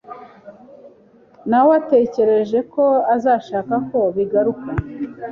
Nawetekereje ko azashaka ko bigaruka.